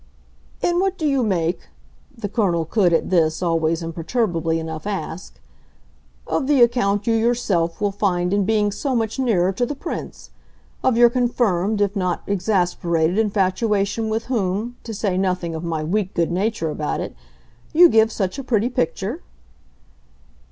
"And what do you make," the Colonel could, at this, always imperturbably enough ask, "of the account you yourself will find in being so much nearer to the Prince; of your confirmed, if not exasperated, infatuation with whom to say nothing of my weak good nature about it you give such a pretty picture?"